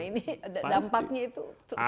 nah ini dampaknya itu